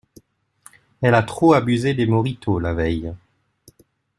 Elle a trop abusé des mojitos la veille.